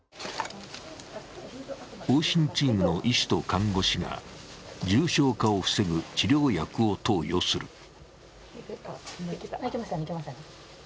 往診チームの医師と看護師が重症化を防ぐ治療薬を投与する。